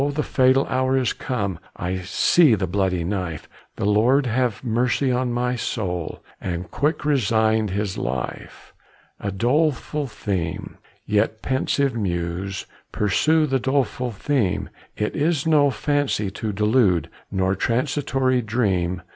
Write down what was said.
the fatal hour is come, I see the bloody knife, The Lord have mercy on my soul!" And quick resigned his life. A doleful theme; yet, pensive muse, Pursue the doleful theme; It is no fancy to delude, Nor transitory dream.